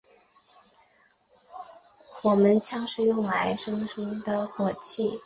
火门枪是用来指像突火枪与手铳这种直接使用燃烧的火棒从火门点火的火器。